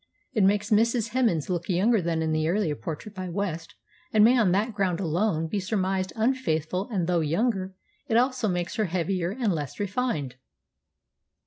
It makes Mrs. Hemans look younger than in the earlier portrait by West, and may on that ground alone be surmised unfaithful, and, though younger, it also makes her heavier and less refined."